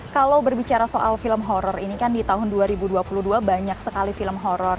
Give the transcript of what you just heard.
kalau berbicara soal film horror ini kan di tahun dua ribu dua puluh dua banyak sekali film horror